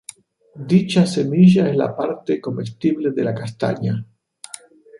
Dicha semilla es la parte comestible de la castaña.